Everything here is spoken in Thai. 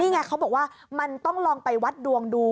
ไงเขาบอกว่ามันต้องลองไปวัดดวงดู